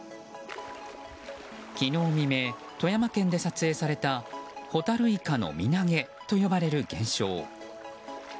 昨日未明、富山県で撮影されたホタルイカの身投げと呼ばれる現象。